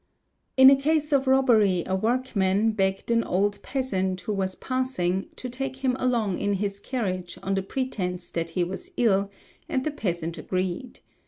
* In a case of robbery a workman begged an old peasant who was— passing to take him along in his carriage on the pretence that he was ill, and the peasant agreed.